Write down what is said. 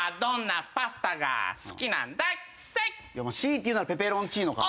強いて言うならペペロンチーノかな。